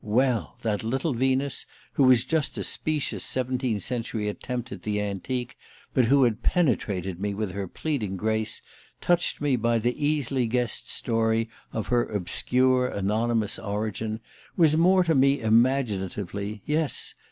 Well! that little Venus, who was just a specious seventeenth century attempt at the 'antique,' but who had penetrated me with her pleading grace, touched me by the easily guessed story of her obscure, anonymous origin, was more to me imaginatively yes!